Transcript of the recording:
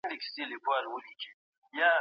پاړسي، روسي، انګرېزي، هندي، جاپاني، پشهيي،